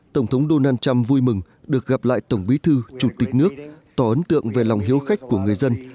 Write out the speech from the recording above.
tổng thống donald trump vui mừng được gặp lại tổng bí thư chủ tịch nước tỏ ấn tượng về lòng hiếu khách của người dân